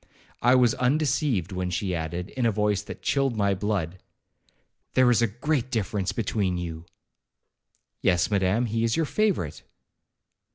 I was undeceived, when she added, in a voice that chilled my blood, 'There is a great difference between you.' 'Yes, Madam, he is your favourite.'